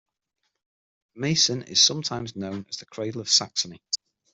Meissen is sometimes known as the "cradle of Saxony".